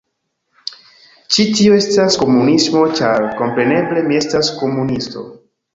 Ĉi tio estas komunismo ĉar, kompreneble, mi estas komunisto